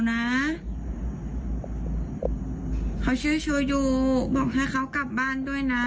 เฮ้ยมาจริงหรอ